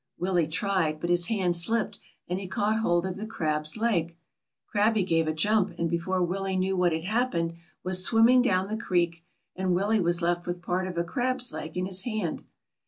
Willie tried, but his hand slipped and he caught hold of the crab's leg. Grabble gave a jump and before Willie knew what had happened, was swimming down the creek, and Willie was left with part of a crab's leg in his hand.